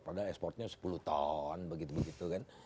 padahal ekspornya sepuluh ton begitu begitu kan